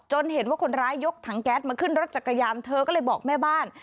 เห็นว่าคนร้ายยกถังแก๊สมาขึ้นรถจักรยานเธอก็เลยบอกแม่บ้าน